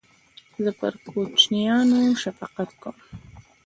زه پر کوچنیانو شفقت کوم.